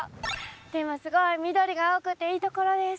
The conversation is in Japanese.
でもすごい緑が多くていいところです。